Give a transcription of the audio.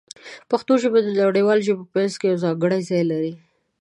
پښتو ژبه د نړیوالو ژبو په منځ کې یو ځانګړی ځای لري.